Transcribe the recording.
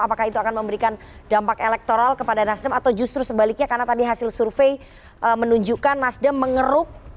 apakah itu akan memberikan dampak elektoral kepada nasdem atau justru sebaliknya karena tadi hasil survei menunjukkan nasdem mengeruk